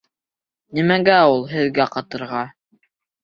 Нимәгә ул һеҙгә ҡатырға?